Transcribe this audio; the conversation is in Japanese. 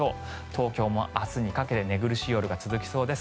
東京も明日にかけて寝苦しい夜が続きそうです。